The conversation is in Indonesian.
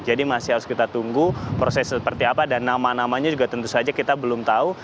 jadi masih harus kita tunggu proses seperti apa dan nama namanya juga tentu saja kita belum tahu